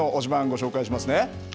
ご紹介しますね。